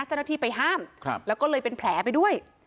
เจ้าหน้าที่ไปห้ามแล้วก็เลยเป็นแผลไปด้วย